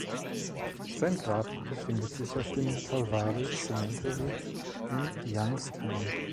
Sein Grab befindet sich auf dem "Calvary Cemetery" in Youngstown.